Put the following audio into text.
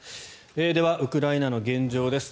では、ウクライナの現状です。